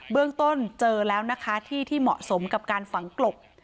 เรื่องต้นเจอแล้วนะคะที่ที่เหมาะสมกับการฝังกลบ